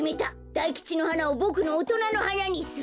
大吉の花をボクのおとなの花にする。